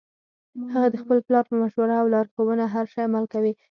هغه د خپل پلار په مشوره او لارښوونه هر شي عمل کوي